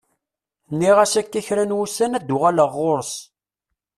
Nniɣ-as akka kra n wussan ad uɣaleɣ ɣur-s.